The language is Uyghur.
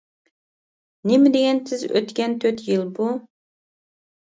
نېمىدېگەن تېز ئۆتكەن تۆت يىل بۇ.